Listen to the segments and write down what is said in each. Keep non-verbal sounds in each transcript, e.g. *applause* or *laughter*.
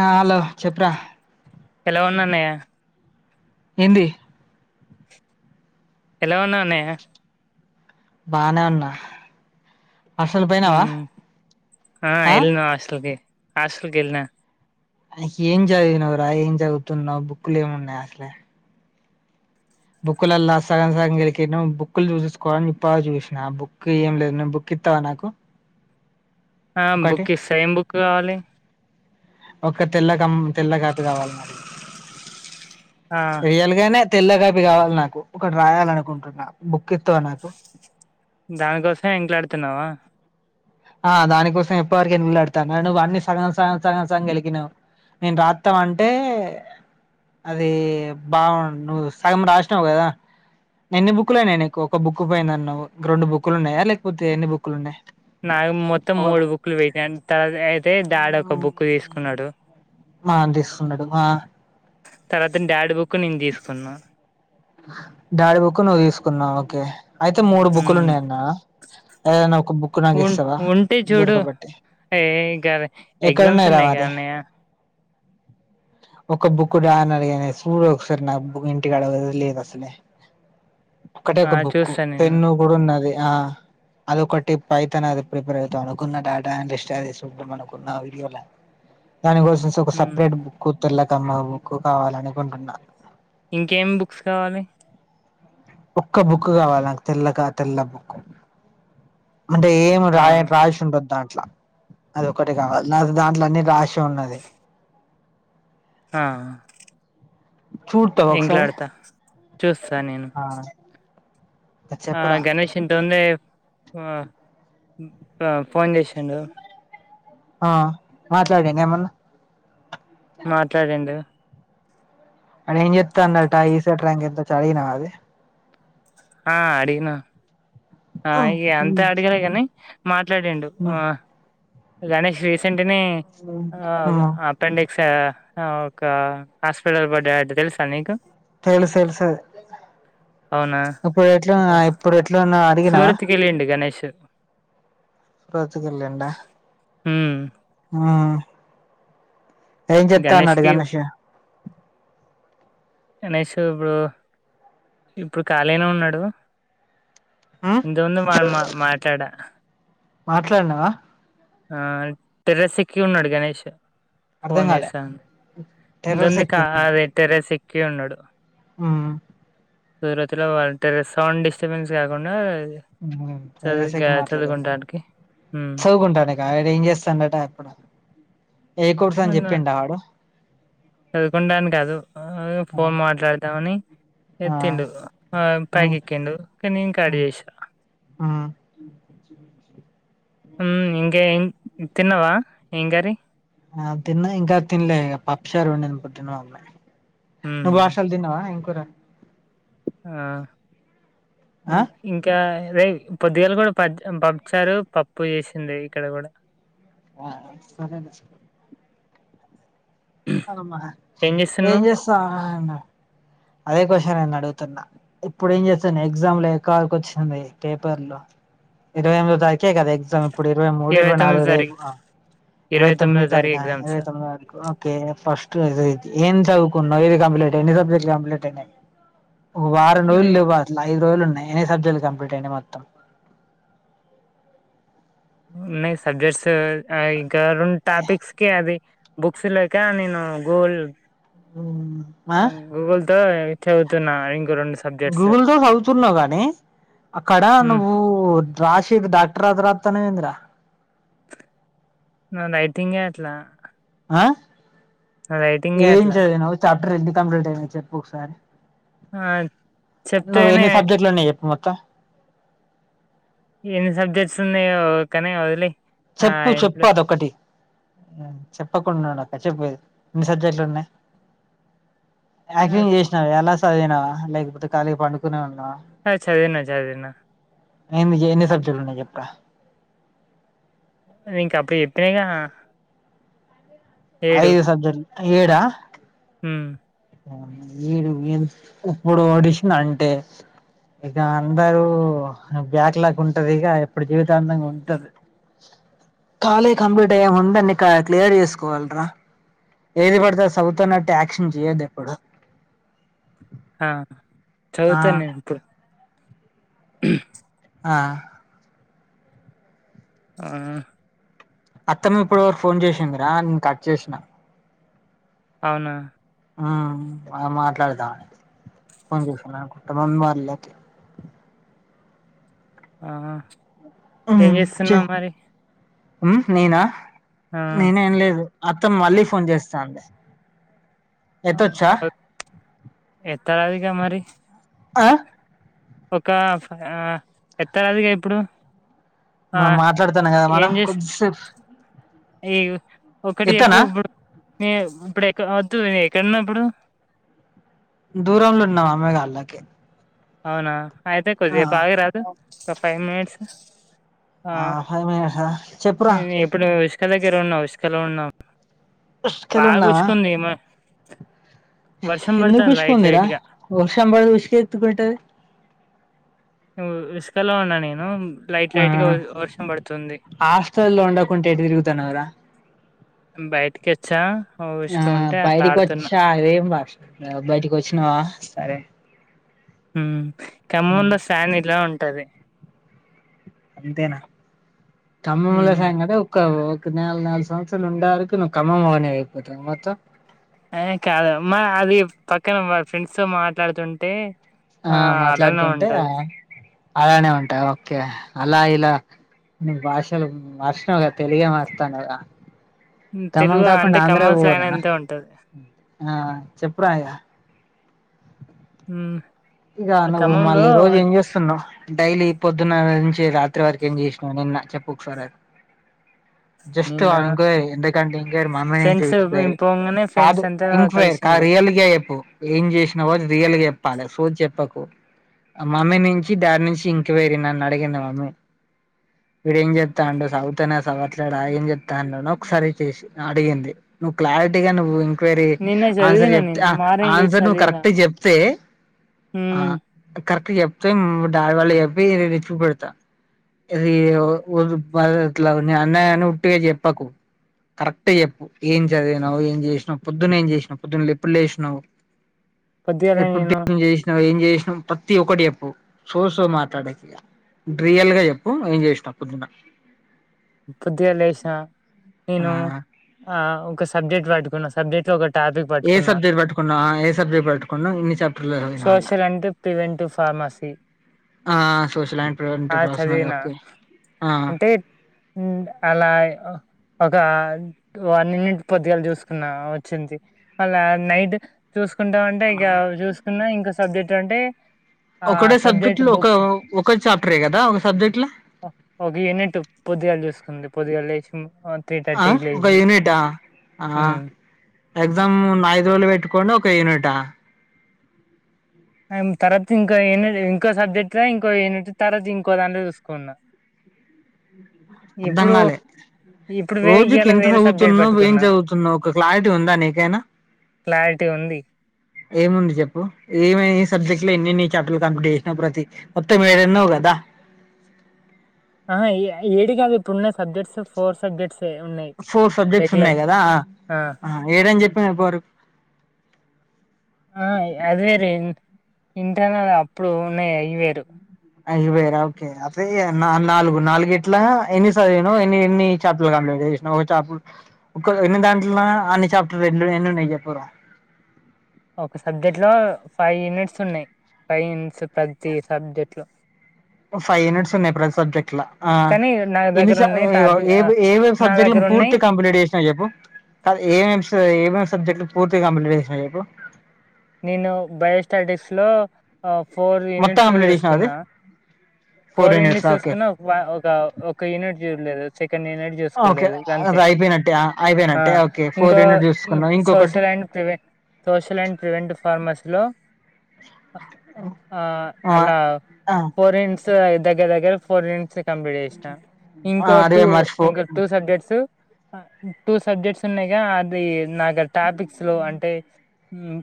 ఆ హలో చెప్పురా ఎలా ఉన్నాన్నయ్య ఏందీ ఎలా ఉన్నావ్ అన్నయ్య బానే ఉన్నా హాస్టల్ పోయినావా మ్ ఆ ఎల్నా హాస్టల్కి హాస్టల్కి ఎల్నా అ ఏం చదివినవరా ఏం చదువుతున్నావ్ బుక్ లు ఏమున్నాయి అసలే బుక్లల్లల్లా సగం సగం గెలికి నువ్ సంకేతాలు చూసుకోవాలనిప్ప చూసిన బుక్ ఏం లేదు నేన్ బుక్ ఇత్తవా నాకు ఆ ఒకటి బుక్కిస్త ఏమ్ బుక్ కావాలి ఒక తెల్ల కం తెల్ల కాపీ కావాలని అడిగితే ఆ రియల్గానే తెల్ల కాపి కావాలి నాకు ఒకటి రాయాల అనుకుంటున్నా బుక్ ఇత్తావ నాకు దానికోసంమే ఇంట్లాడుతున్నావా ఆ దానికోసమే ఇప్పటివరకే ఎతుకులాడుతున్నా నువ్వు అన్ని సగం సగం ‌సగం గెలికిినావు నేను రాత్తాం అంటే అది బావుండు నువ్వు సగం రాసినావు కదా ఎన్ని బుక్ లయినాయి నీకు ఒక బుక్ పోయిందన్నవు రెండు బుక్ లు ఉన్నాయా లేకపోతే ఎన్ని బుక్ లుఉన్నాయి నాకు మొత్తం మూడు బుక్లు పెట్ట తర్వాత అయితే డాడీ ఒక బుక్ తీసుకున్నాడు మా నాన తీసుకుంటడు తర్వాత డాడీ బుక్ నేను తీసుకున్నా డాడి బుక్ నువ్వు తీసుకున్నావు ఓకే అయితే మూడు బుక్కులు హ్మ్ ఉన్నాయన్న ఏదనా ఒక బుక్ నాకు ఇస్తావా దొరకబట్టి ఏం కాదు ఎగ్జామ్స్ ఎక్కడున్నాయి రా ఉన్నాయి గా మరి అన్నయా ఒక బుక్ రా అనడిగానే చూడు ఒకసారి నా బు ఇంటికాడ వదిలె అసలే ఒక్కటే ఆ ఒక బుక్ చూస్తా నేను పెన్ను కూడా ఉన్నాది ఆ అది ఒకట్టి పైథాన్ అది ప్రిపేర్ అవుతాం అనుకున్న డాటా అండ్ రీ స్టార్ట్ చేసి చూద్దం అనుకున్న వీడియోల దానికోసం ఒక హ్మ్ సపరేట్ బుక్ తెర్లకమ్మ బుక్ కావాల అనుకుంటున్నా ఇంకేమి బుక్స్ కావాలి ఒక్క బుక్ కావాలి నాకు తెల్లగా తెల్ల బుక్ అంటే ఏమి ఆ రాయ రాసి ఉండదు దాం అది ఒకటి కావాలి నాకు దాంట్లో అన్నీ రాసి ఉన్నది ఆ చూడతావా ఒకసారి ఇంట్లొఎడతా చూస్తా నేను ఆ ఆ చెప్పురా గణేష్ ఇంట ఉందే ఆ ఫోన్ చేసాండు ఆ మాట్లాడిండ ఏమన్నా మాట్లాడిండు అని ఏం చెప్తా అన్న టా ఈస ట్రాంక్ ఎంత చదివినవా అది ఆ అడిగిన ఆ ఇగ అంతె అడిగినకాని మాట్లాడిండు ఆ మ్మ్ గణేష్ తీస్ *unintelligible* యా అ ఒక హాస్పిటల్ బెడ్ యర్డ్ తెలుసా నీకు తెలుసు తెలు సది అవునా అప్పుడు ఎట్లాఉన్న ఇప్పుడు ఎట్లుఉన్నా అడిగినావా సూరత్ కెళ్ళిండు గణేష్ *unintelligible* హ్మ్ ఆ ఏం చెత్తా అన్నాడు గణేష్ గణేష్ ఇప్పు ఇప్పుడు ఖాళీగానే ఉన్నాడు మ్మ్ ఇంతవంద మా మా మాట్లాడ మాట్లాడినావా ఆ టెర్రస్ ఎక్కి ఉన్నాడు గణేష్ అర్థం ఫోన్ కాలే చేసా టెర్రస్ ఇంతందిక టెర్రస్ ఎక్కి ఉన్నాడు ఆ సూరతి లో వాంట సౌండ్ డిస్టర్బెన్స్ కాకుండా చదువు టెర్రస్ గా ఎక్కి మాట్లాడింది చదువుకుంటానికి హ్మ్ చదువుకుంటాను గైడ్ ఏం చేస్తాండట అక్కడ ఎ కోర్సు అని చెప్పిండా ఆడు చదువుకుడాను కాదు ఫోన్ మాట్లాడదామని ఆ ఎతిండు ఆ పైకి ఎక్కిండు ఇంకా నేను అడిగేసా ఆ హ్మ్ ఇంగ ఏం తిన్నావా ఏం కర్రీ ఆ తిన్న ఇంకా తినలే పప్పుషారు ఉండింది ఇప్పుడు మా మమ్మీ హ్మ్ నువ్వు బచాల్ తినవా ఏం కూర ఆ ఆ ఇంకా అదే పొద్దుగాలే కూడా ప పప్పుచారు పప్పు చేసింది ఇక్కడ కూడా ఆ సరేలే అ ఏం చేస్తా అదే క్వశ్చన్ నన్ను అడుగు ఇప్పుడు ఏం చేస్తాను ఎగ్జామ్ లో ఎక్కవరకు వచ్చింది పేపర్లు ఎర్రవై ఎనిమిది తరికే కదా ఎగ్జామ్ ఇప్పుడు ఇరవై మూడు ఇరవై తొమ్మిదో నాలుగు రేపూ తారీఖు ఇరవై తొమ్మిది తొమ్మిదో తారీ తారీఖు ఇవై ఎగ్జామ్స్ తొమ్మిదొ తారీకు ఫస్ట్ ఏం చదువుకున్నావు ఏది కంప్లీట్ ఎన్ని సబ్జెక్ట్ కంప్లీట్ అయినాయి ఒక వారం రజులు మరి లేవు అలా ఐదు రోజులు ఉన్నాయి ఎన్ని సబ్జెక్ట్లు కంప్లీట్ అయినా మొత్తం ఉన్నాయి సబ్జెక్ట్స్ ఇంకా రెండు టాపిక్స్ కి అది బుక్స్ లేకా నేను గూగుల్ హ్మ్ ఆ తో ఇది చదువుతున్నా ఇంకో సబ్జెక్ట్స్. గూగుల్ తో చదువుతున్నా కానీ ఆక్కడా హ్మ్. నువ్వు రాశీద్ డాక్టర్ అద్ర తనేవేంద్ర రైటింగే అట్లా ఆ నా రైటింగే ఏం అట్లా. చదినావు చాప్టర్ ఎంత కంప్లీట్ అయింది చెప్పు ఒకసారి ఆ! నువ్ చెప్తేనే ఎన్ని సబ్జెక్ట్లున్నాయి చెప్పు మొత్తం ఏన్ సబ్జెక్ట్స్ని కని వదిలేయి చెప్పు ఆహ్, చెప్పు ఇప్పుడు అదొకటి చెప్పకుండా అక్క చెపోదు ఎన్ని సబ్జెక్ట్లు ఉన్నావా ఆ! యాక్టింగ్ చేసినావ ఎలా చదివినవా లేకపోతే ఖాళీగా పండుకునే ఉన్నావా అ చదివినా చదివినా ఎన్ని ఎన్ని సబ్జెక్ట్లున్నాయి చెప్పు రా ఇంక అప్పుడు చెప్పినాగా ఐదు సబ్జెక్ట్ ఏడా హ్మ్. వీడు వీడు ఇప్పుడు వడిసిన అంటే ఇక అందరూ బ్యాక్ లాక్ ఉంటది ఇగా ఎప్పుడు జీవితాంతం ఉంటది కాలేజ్ కంప్లీట్ అయ్యే ముందు అన్ని క్లియర్ చేసుకోవాలి రా ఏది పడితే చదువుతున్నట్టు యాక్షన్ చెయ్యొద్దు ఎప్పుడు ఆ ఆ చదువుతా నేను ఇప్పుడు ఆ ఆ అత్తమ్మ ఇప్పటివరకు ఫోన్ చేసిందిరా నేను కట్ చేసిన అవునా ఆ మాట్లాడతా ఫోన్ చేసిన *unintelligible* వాళ్లకి ఆహా ఏం ఉమ్ చేస్తున్నావు చెయ్ మరి నేనా ఆ! నేనేం లేదు అత్త మళ్లీ ఫోన్ చేస్తాంది ఎత్తొచ్చా ఎత్తరాదు ఇగ మరి ఆ ఒక ఎత్తరాదుగా ఇప్పుడు ఆ మాట్లాడతానము కదా మనం ఏం చేస్ కొద్దిసేపు ఈ ఒకటి చెప్పు ఎత్తనా ఇప్పుడు ఇప్పుడు ఎ వద్దు క్కడున్నావ్ ఇప్పుడు దూరంలో ఉన్నా అమేగా అల్లాకి అవునా అయితే కొద్దిసేపు ఆగరాదు ఒక ఫైవ్ మినిట్స్ ఆ ఫైవ్ మినిట్స్ ఆ చెప్పురా ఇప్పుడు ఇసుక దగ్గర ఉన్నాం ఇసుకలో ఉన్నాం ఉసుకలో బాగా ఉష్కుంది ఎందుకుష్కుంది రా వర్షం పడి ఉష్కెందుకు ఉంటది ఉష్కలో ఉన్న నేను లైట్ ఆ లైట్గా వర్షం పడుతుంది హాస్టల్లో ఉండకుంటే ఎటు తిరుగుతున్నావురా బయటికి వచ్చా ఆ ఉసుక ఉంటే అట్లా బయటికి ఆడుతున్నా వచ్చా అదేం భాష రా బయటికి వచ్చినవా సరే ఉమ్ ఖమ్మంలో స్లాంగ్ ఇలా ఉంటది అంతేనా ఖమ్మంలో ఉమ్ స్లాంగ్ అంటే ఒక్క నాల్-నాలుగు సంవత్సరాలు ఉండారుకు ఖమ్మం మోనివి నువ్వుఅయిపోతావా మొత్తం ఆ కాదు మా అది పక్కన వ ఫ్రెండ్స్ తో మాట్లాడుతుంటే ఆ అలానే మాట్లాడుతుంటే ఉంటది అలానే ఉంటా ఓకే అలా ఇలా నువ్వు భాషలు మార్షినవ్గా తెలుగే మార్తానవుగా ఖమ్మం తెలుగు కాకుండా అంటే ఆంధ్రాకి ఖమ్మం స్లాంగ్ పోవాల్నా అంతే ఉంటది ఆ చెప్పురా ఇగ ఉమ్ ఇగా నువ్వు మళ్ళీ రోజు ఏం చేస్తున్నావు డైలీ పొద్దున్న రాత్రి వరకు ఏం చేసినావ్ నిన్న చెప్పు ఒకసారి అది జస్ట్ నిన్న ఎంక్వయిరీ ఎందుకంటే మనమీదే ఫ్రెండ్స్ ఎంక్వయిరీ పోంగానే కాదు ఫ్రెండ్స్ అంతా ఇంక్వే కాదు కలిసిండ్రు రియల్గా చెప్పు ఏం చేసినవో అది రియల్ గా చెప్పు చెప్పకు ఆ మమ్మీ నుంచి డాడీ నుంచి ఇంక్వేరీ నన్ను అడిగినవా నువ్ వీడు ఏం చేస్తాండు చదువుతనే చదవట్లేడా ఏం చెప్తాండని ఒకసారి చేసి అడిగింది నువ్వు క్లారిటీగా నువ్వు నిన్న ఆన్సర్ చదివిన చెప్తే నేను ఆ మార్నింగ్ లేసి ఆన్సర్ నువ్వు చదివిన కరెక్ట్ గా చెప్తే ఆ మ్ కరెక్ట్ చెప్తే డాడి వాళ్ళ చెప్పి రిచ్చి పెడతా ఇది మల్ల ఎట్ల నేను అన్న గదా అని ఉట్టిగా చెప్పకు కరెక్ట్ చెప్పు ఏం చదివినవు ఏం చేసినవు పొద్దున్న ఏం చేసినవు పొద్దున్న ఎప్పుడు లేసినవు పొద్దుగాల ఎప్పుడు నేను టిఫిన్ చేస్ ఏం చేసినవు ప్రతి ఒకటి చెప్పు ఇంగా సో సో మాట్లాడకు ఇగా రియల్ గా చెప్పు ఏం చేసినవు పొద్దున్న పొద్దున లేసినా ఆ నేను ఆ ఒక సబ్జెక్ట్ పట్టుకున్నా సబ్జెక్ట్ ఒకటి టాపిక్ ఏ పట్టుకున్నా సబ్జెక్ట్ పట్టుకున్నావు ఏ సబ్జెక్ట్ పట్టుకున్నావు ఇన్ని చాప్టర్లు చదివినావు అందుల social and preventive pharmacy ఆ సోషల్ అండ్ ప్రివెంటివ్ ప్రాస్మసి చదివిన ఓకే ఆ అండ్ అలా ఓ ఒక వన్ యూనిట్ పొద్దుగాల చూసుకున్నా వచ్చింది మళ్ళ నైట్ చూసు చూసుకుంటా ఉంటే ఇగా చూసుకున్నా ఇంకో సబ్జెక్ట్ అంటే ఆహ్, ఒకటే సబ్జెక్ట్ లో ఒక బుక్స్ ఒక చాప్టరే కదా ఒక సబ్జెక్ట్ ల ఒక యూనిట్టు పొద్దుగాల చూసుకుంది పొద్దుగాల లేసి ఆహ్, ఆ ఒక యూనిటా ఆ హ్మ్. ఎగ్జామ్ ఐదు రోజులు పెట్టుకోని ఒక యూనిటా తర్వాత ఇంకో యూనిట్ ఇంకో సబ్జెక్ట్ ల ఇంకో యూనిట్ తర్వాత ఇంకో దాన్లో చూసుకున్నా అర్ధంగాలే ఇప్పుడు వే రోజుకి ఇయాల ఎంత వేరే సబ్జెక్ట్ చదువుతున్నవు ఏం పట్టుకున్నా. చదువుతున్నవు ఒక క్లారిటీ ఉందా నీకైనా క్లారిటీ ఉంది. ఏముంది చెప్పు ఏమై సబ్జెక్ట్ లో ఎన్నేన్ని చాప్టర్ లు కంప్లీట్ చేసినవు ప్రతి మొత్తం ఏడన్నావ్ కదా ఆ ఏ ఏడు కాదు ఇప్పుడున్న subjects four subjects four subjects ఉన్నాయి కదా ఆ ఏడని చెప్ ఎవ్వరు ఆ అది వేరే ఇంటర్నల్ అప్పుడు ఉన్నాయి అవి వేరు అయి వేరా ఓకే అవే నాలుగు నాలుగు ఇట్లా ఎన్ని సదివినవు ఎన్ని ఎన్ని చాప్టర్లు కంప్లీట్ చేసినవు ఒక చాప్టర్ ఒక ఎన్ని దాంట్ల అన్ని చాప్టర్ రెండు ఎన్ని ఉన్నయి చెప్పారా ఒక సబ్జెక్ట్ లో ఫైవ్ యూనిట్స్ ఉన్నాయి ఫైవ్ యూనిట్స్ ప్రతి సబ్జెక్ట్ లో ఫైవ్ యూనిట్స్ ఉన్నాయి ప్రతి సబ్జెక్ట్ లా ఆ కానీ నా ఎన్ని దగ్గర స ఉన్నాయి టాపిక్ ఏ ఏమెమ్ నా సబ్జెక్ట్ లు దగ్గర ఉన్నాయి పూర్తిగా కంప్లీట్ చేసినవు చెప్పు కాదు ఏమ ఏమేమి సబ్జెక్ట్ పూర్తిగా కంప్లీట్ చేసినవు చెప్పు నేను బయోస్టాటిక్స్ లో ఫోర్ మొత్తం యూనిట్స్ కంప్లీట్ చేసినావా అది ఏసుకున్నా ఫోర్ యూనిట్స్ చూసుకున్నా వ ఒక ఒక యూనిట్ చూడలేదు ఇంకా వన్ యూనిట్ ఓకే చూసుకోలేదు గంతే అది అయిపోయినట్టే ఆ, ఆ అయిపోయినట్టే ఓకే ఫోర్ ఇంకో యూనిట్ చూసుకున్నావు ఇంకొకటి social and ప్రివెం social and preventive ఫార్మసీలో ఆ ఆ అలా ఆ ఫోర్ యూనిట్స్ దగ్గర దగ్గర ఫోర్ యూనిట్స్ కంప్లీట్ చేసినా ఆ, ఇంకో అదే టూ మర్చిపో ఇంకో టూ సబ్జెక్ట్స్ టూ సబ్జెక్ట్స్ ఉన్నాయిగా అది నాకు అది టాపిక్స్ లో అంటే ఉమ్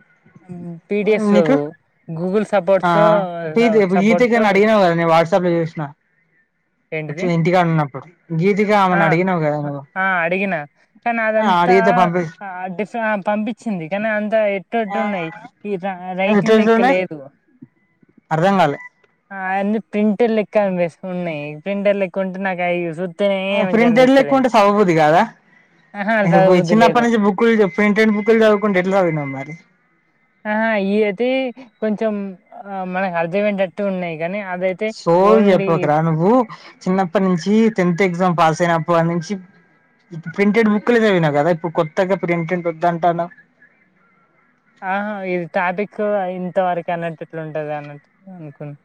నీకు గూగుల్ ఆ సపోర్ట్స్ గీతి సపోర్ట్ తో గీతికను అడిగినవుగా నీ వాట్స్ అప్ లో చూసిన వచ్చి ఏంటిది ఇంటికాడ ఉన్నప్పుడు గీతిక ఆ ఆమెను అడిగినవు కదా నువ్వు అంత అడిగితే పంపి డిఫ పంపించింది కానీ అంత ఎట్ట్ ఎట్టో ఆ, ఉన్నాయి ఈ రైటింగ్ లెక్క ఎట్లెట్లున్నాయి లేదు అర్థం కాలే అన్నీ ప్రింటర్ లెక్క అనిపిస్తున్నాయి ప్రింటర్ లెక్క ఉంటే నాకు అవి చూస్తేనే మంచిగా ప్రింటెడ్ లెక్క అనిపిస్తలేదు ఉంటే చదవబుద్ధి కాదా ఆహా చదవబుద్ధి లేదు. చిన్నప్పటి నుంచి బుక్ ప్రింటెడ్ బుక్ చదువుకుంట్టు ఎట్లా చదివినవ్ మారి ఆహా ఇవి అయితే కొంచెం ఆ మనకు అర్థమయ్యేటట్టు ఉన్నాయి కానీ, అదైతే సోది ఓన్లీ చెప్పకు రా నువ్వు చిన్నప్పటి నుంచి టెన్త్ ఎగ్జామ్ పాస్ అయినప్పటి నుంచి ప్రింటెడ్ బుక్ లే చదివినవ్ కదా ఇప్పుడు కొత్తగా ప్రిమిటెడ్ వద్దంటున్నావు ఆహా ఇది టాపిక్ ఇంతవరకు అన్నటట్లు ఉంటది అన్నట్టు అనుకున్నా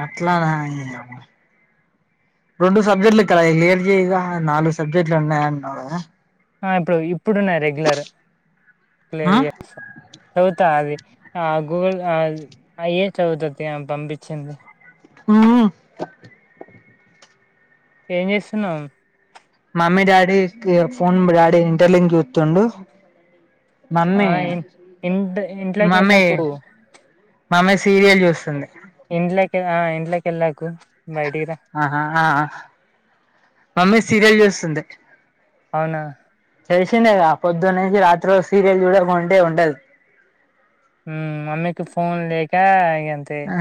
అట్లా నా రెండు సబ్జెక్టులు ఇక్క క్లియర్ చేయదా నాలుగు సబ్జెక్టులు ఉన్నాయన్నాడు ఆ ఇప్పుడు ఇప్పుడు ఉన్న రెగ్యులర్ క్లియర్ చేస్తా చదువుతా అది ఆ గూగుల్ ఆ ఏ చదుతుది పంపించింది హ ఏం చేస్తున్నావ్ mummy daddy phone daddy inter link చూతుండు ఆ ఇ ఇట్ ఇంట్లోకి వెళ్ళకు మామ్మ సీరియల్ చూస్తుంది ఇంట్లోకి మా ఇంట్లోకి వెళ్ళకు ఆహా ఆ మమ్మీ సీరియల్ చూస్తుంది అవునా వచ్చింద పొద్దున్న నుంచి రాత్రి వరకు సీరియల్ చూడకుంటే ఉండదు ఉ మమ్మకి ఫోన్ లేక అంతే ఆ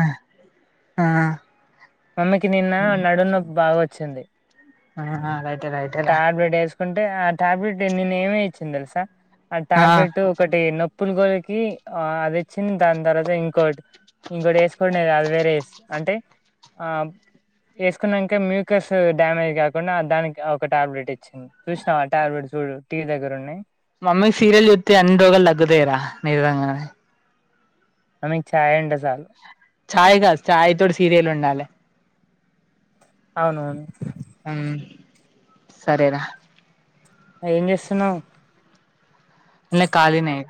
ఆ మమ్మకి నిన్న నడుము నొప్పి బాగా వచ్చింది ఆ రైటే రైటే రా అంటే ఆ టాబ్లెట్ నిన్న ఏమే ఇచ్చింది తెలుసా ఆ టాబ్లెట్ ఒకటి నొప్పుల గోలికి అది ఇచ్చింది దాని తర్వాత ఇంకోటి ఇంకోటి వేసుకోనేది అది వేరే వే అంటే ఆ వేసుకున్నాక మ్యూకస్ డ్యామేజ్ కాకుండా దానికి ఒక టాబ్లెట్ ఇచ్చింది చూసినా ఆ ట్యాబ్లెట్ చూడు టీవి దగ్గర ఉన్నాయి మమ్మీ సీరియల్ చూస్తే అన్ని రోగాలు తగ్గుతాయి రా నిజంగా ఆమెకు చాయ్ ఉంటే చాలు చాయ్ కాదు చాయ్ తోటి సీరియల్ ఉండాలె అవునవును ఉ సరేనా ఏం చేస్తున్నావ్ మల్ల ఖాళీనే అయితే